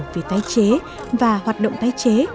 vì tái chế và hoạt động tái chế